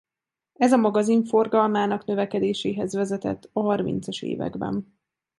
Ez a magazin forgalmának növekedéséhez vezetett a harmincas években.